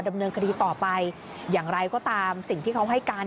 ดำเนินคดีต่อไปอย่างไรก็ตามสิ่งที่เขาให้การ